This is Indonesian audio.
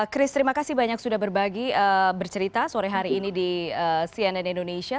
chris terima kasih banyak sudah berbagi bercerita sore hari ini di cnn indonesia